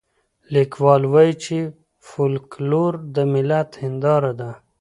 ليکوال وايي چي فولکلور د ملت هنداره ده.